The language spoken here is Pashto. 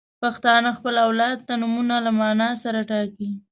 • پښتانه خپل اولاد ته نومونه له معنا سره ټاکي.